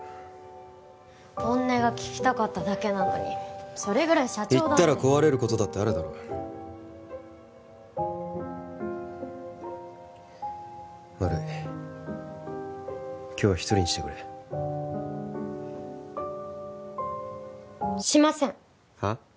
本音が聞きたかっただけなのにそれぐらい社長だって言ったら壊れることだってあるだろ悪い今日は一人にしてくれしませんはあ？